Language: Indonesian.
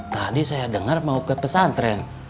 tadi saya dengar mau ke pesantren